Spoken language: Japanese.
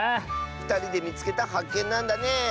ふたりでみつけたはっけんなんだね！